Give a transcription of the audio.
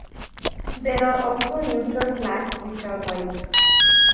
There are also neutral flags, which are white.